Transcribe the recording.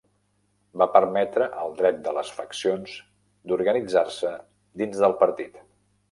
Va permetre el dret de les faccions d'organitzar-se dins del partit.